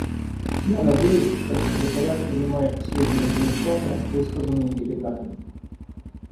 Я надеюсь, что секретариат принимает к сведению замечания, высказанные делегатами.